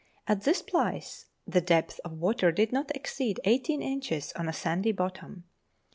At this place the depth of water did not exceed eighteen inches on a sandy bottom.